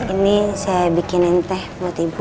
ini saya bikinin teh buat ibu